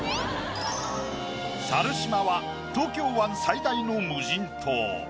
猿島は東京湾最大の無人島。